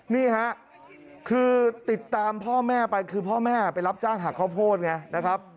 นี่ฮะคือติดตามพ่อแม่ไปคือพ่อแม่ไปรับจ้างหักข้าวโพดไงนะครับ